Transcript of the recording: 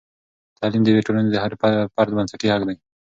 تعلیم د یوې ټولنې د هر فرد بنسټي حق دی.